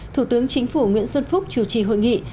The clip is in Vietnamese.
thủ tướng chính phủ nguyễn xuân phúc chủ trì hội nghị